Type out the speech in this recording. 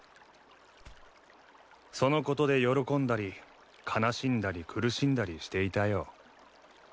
そのことで喜んだり悲しんだり苦しんだりしていたよ。